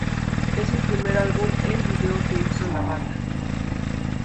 Es el primer álbum en video que hizo la banda.